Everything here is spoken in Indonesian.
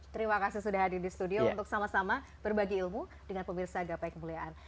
terima kasih sudah hadir di studio untuk sama sama berbagi ilmu dengan pemirsa gapai kemuliaan